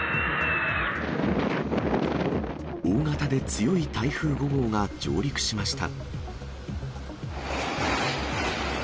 大型で強い台風５号が上陸しました。